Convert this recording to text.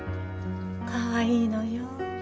かわいいのよ。